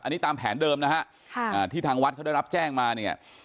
อันนี้ตามแผนเดิมนะฮะที่ทางวัดเขาได้รับแจ้งมาเนี่ย